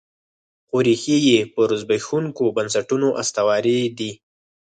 خو ریښې یې پر زبېښونکو بنسټونو استوارې دي.